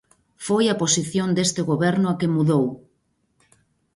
Foi a posición deste goberno a que mudou.